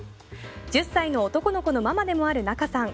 １０歳の男の子のママでもある仲さん。